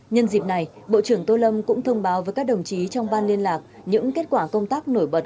nhân dịp này bộ trưởng tô lâm cũng thông báo với các đồng chí trong ban liên lạc những kết quả công tác nổi bật